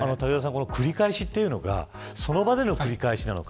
この繰り返しというのがその場での繰り返しなのか